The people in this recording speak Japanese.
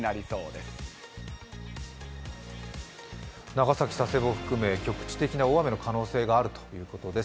長崎、佐世保含め、局地的な大雨があるということです。